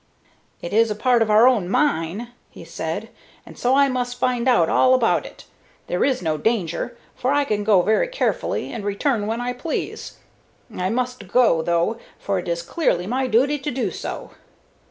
"It is a part of our own mine," he said, "and so I must find out all about it. There is no danger, for I can go very carefully, and return when I please. I must go, though, for it is clearly my duty to do so.